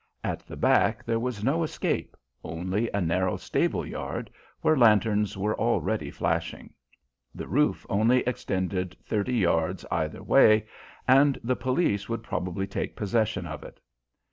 At the back there was no escape, only a narrow stable yard, where lanterns were already flashing. The roof only extended thirty yards either way and the police would probably take possession of it.